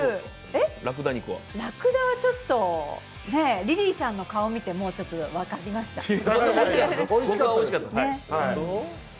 らくだはちょっとリリーさんの顔を見てもちょっと分かりました。